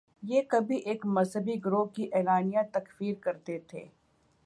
یہ کبھی ایک مذہبی گروہ کی اعلانیہ تکفیر کرتے تھے۔